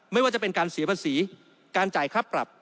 ไม่ว่าจะเป็นการเสียภาษีการจ่ายค่าปรับ